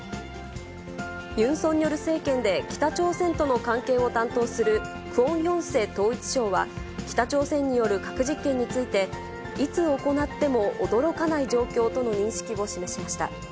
ユン・ソンニョル政権で、北朝鮮との関係を担当するクォン・ヨンセ統一相は、北朝鮮による核実験について、いつ行っても驚かない状況との認識を示しました。